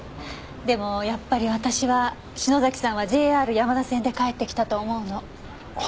でもやっぱり私は篠崎さんはＪＲ山田線で帰ってきたと思うの。は？